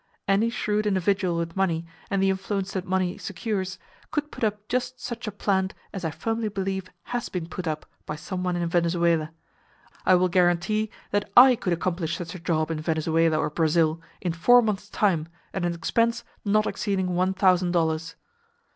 Any shrewd individual with money, and the influence that money secures, could put up just such a "plant" as I firmly believe has been put up by some one in Venezuela. I will guarantee that I could accomplish such a job in Venezuela or Brazil, in four months' time, at an expense not exceeding one thousand dollars.